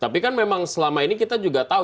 tapi kan memang selama ini kita juga tahu